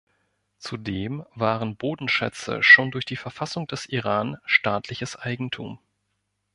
Zudem waren Bodenschätze schon durch die Verfassung des Iran staatliches Eigentum.